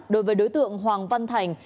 đối với đối tượng hoàng văn thành